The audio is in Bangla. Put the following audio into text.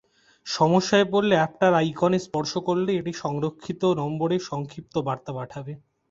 সমস্যায় পড়লে অ্যাপটির আইকনে স্পর্শ করলে এটি সংরক্ষিত নম্বরে সংক্ষিপ্ত বার্তা পাঠাবে।